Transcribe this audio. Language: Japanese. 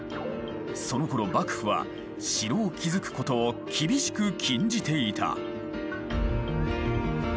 そのころ幕府は城を築くことを厳しく禁じていた。